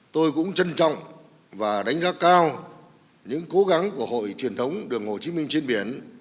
tôi cũng trân trọng và đánh giá cao những cố gắng của hội truyền thống đường hồ chí minh trên biển